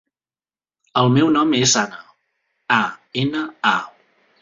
El meu nom és Ana: a, ena, a.